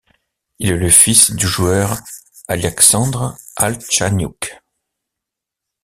Il est le fils du joueur Aliaksandr Haltchaniouk.